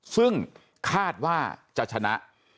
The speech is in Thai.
ซึ่งคาดว่าจะชนะ